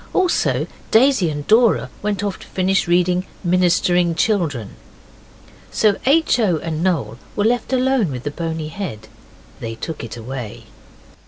Also Daisy and Dora went off to finish reading Ministering Children. So H. O. and Noel were left with the bony head. They took it away.